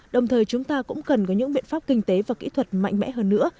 đồng thời chúng ta cũng cần có những biện pháp kinh tế và kỹ thuật mạnh mẽ hơn nữa